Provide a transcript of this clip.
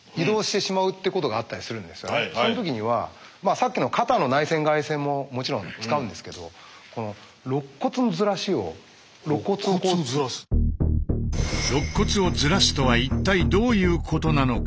さっきの肩の内旋・外旋ももちろん使うんですけどろっ骨をずらすとは一体どういうことなのか。